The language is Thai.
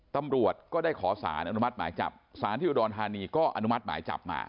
ตำรวจก็ได้ขอสารอนุมัติหมายจับสารที่อุดรธานีก็อนุมัติหมายจับมา